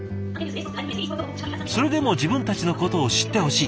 それでも自分たちのことを知ってほしい。